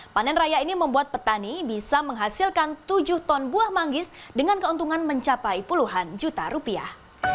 panen raya ini membuat petani bisa menghasilkan tujuh ton buah manggis dengan keuntungan mencapai puluhan juta rupiah